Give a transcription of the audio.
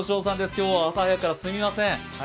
今日は朝早くからすいません。